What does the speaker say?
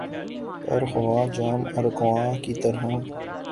پر ہوا جام ارغواں کی طرح